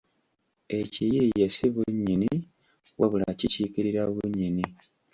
Ekiyiiye si bunnyini wabula kikiikirira bunnyini